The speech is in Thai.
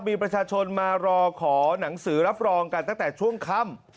มีประชาชนมารอขอหนังสือรับรองกันตั้งแต่ช่วงค่ำ